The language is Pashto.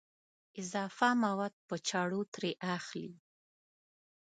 اضافه مواد په چړو ترې اخلي.